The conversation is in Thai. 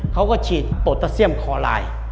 เขาก็ฉีดโปรตาเซียมคอลาย